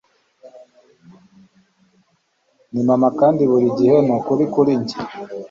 ni mama, kandi buri gihe ni ukuri kuri njye